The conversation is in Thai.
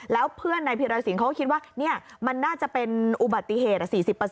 แล้วเพื่อนนายพีรสินเขาก็คิดว่ามันน่าจะเป็นอุบัติเหตุ๔๐